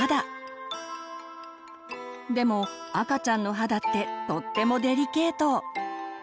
でも赤ちゃんの肌ってとってもデリケート。